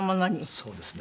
そうですね。